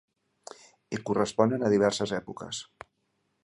I corresponen a diverses èpoques.